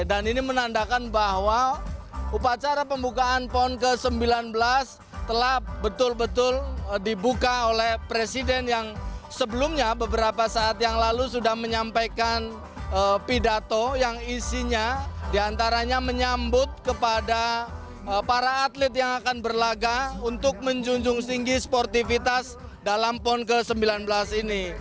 dan ini menandakan bahwa upacara pembukaan pon ke sembilan belas telah betul betul dibuka oleh presiden yang sebelumnya beberapa saat yang lalu sudah menyampaikan pidato yang isinya diantaranya menyambut kepada para atlet yang akan berlaga untuk menjunjung tinggi sportivitas dalam pon ke sembilan belas ini